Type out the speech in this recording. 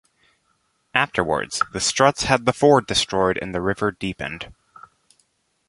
Afterwards, the Strutts had the ford destroyed and the river deepened.